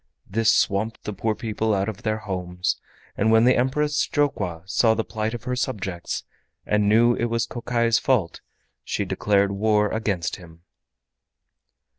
This swamped the poor people out of their homes, and when the Empress Jokwa saw the plight of her subjects, and knew it was Kokai's fault, she declared war against him.